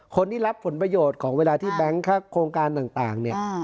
คนที่รับผลประโยชน์ของเวลาที่แบงค์โครงการต่างเนี่ย